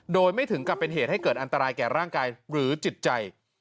โดยไม่ถึงกับเป็นเหตุให้เกิดอันตรายแก่ร่างกายหรือจิตใจ